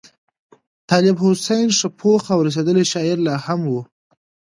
طالب حسین ښه پوخ او رسېدلی شاعر لا هم وو.